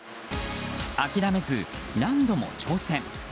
諦めず何度も挑戦。